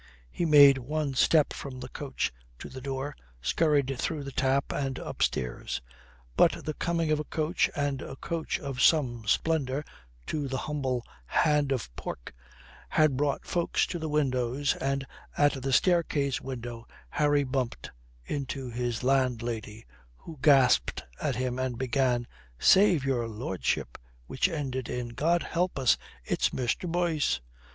He made one step from the coach to the door, scurried through the tap and upstairs. But the coming of a coach, and a coach of some splendour, to the humble "Hand of Pork" had brought folks to the windows, and at the staircase window Harry bumped into his landlady, who gasped at him and began a "Save your lordship " which ended in "God help us, it's Mr. Boyce."